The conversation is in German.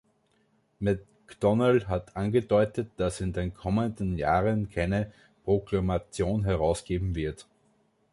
McDonnell hat angedeutet, dass er in den kommenden Jahren keine Proklamation herausgeben wird.